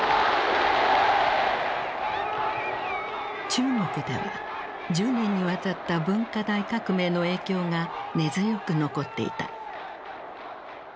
中国では１０年にわたった文化大革命の影響が根強く残っていた。